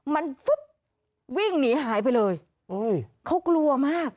มันฟุดวิ่งหายไปเลยเขากลัวมาก